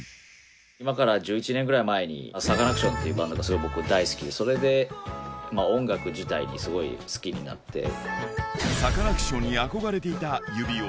今から１１年ぐらい前に、サカナクションというバンドがすごい僕大好きで、それで音楽自体サカナクションに憧れていた指男。